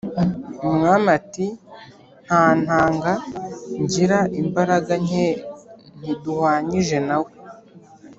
umwami ati :”ntantanga, ngira imbaraga nke ntiduhwanyije na we